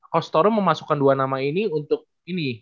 host toro memasukkan dua nama ini untuk ini